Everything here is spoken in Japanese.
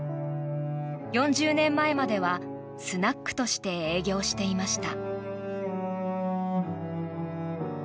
４０年前まではスナックとして営業していました。